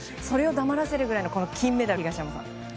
それを黙らせるぐらいの金メダル。